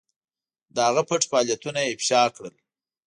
د هغه پټ فعالیتونه یې افشا کړل.